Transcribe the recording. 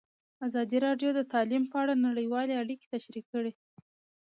ازادي راډیو د تعلیم په اړه نړیوالې اړیکې تشریح کړي.